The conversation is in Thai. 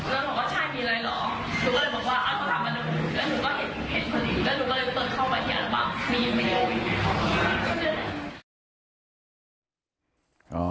แล้วหนูเลยเปิดเข้าข้อมดัขบุรุษบอกว่ามีใครมีใคร